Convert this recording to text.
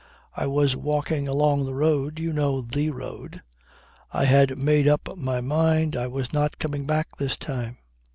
"I was walking along the road you know, the road. I had made up my mind I was not coming back this time."